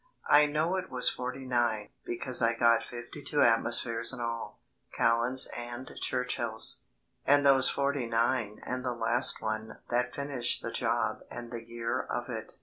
I know it was forty nine, because I got fifty two atmospheres in all; Callan's and Churchill's, and those forty nine and the last one that finished the job and the year of it.